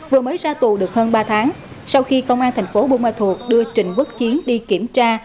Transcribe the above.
vừa mới ra tù được hơn ba tháng sau khi công an thành phố buôn ma thuột đưa trịnh quốc chiến đi kiểm tra